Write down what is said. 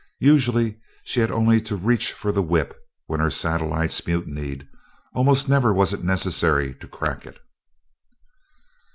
Usually she had only to reach for the whip when her satellites mutinied; almost never was it necessary to crack it.